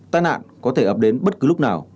tai nạn có thể ập đến bất cứ lúc nào